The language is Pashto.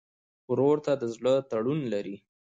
ورور ته د زړه تړون لرې.